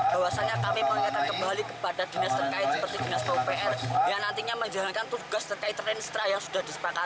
bahwasannya kami mengingatkan kembali kepada dinas terkait seperti dinas pupr yang nantinya menjalankan tugas terkait renstra yang sudah disepakati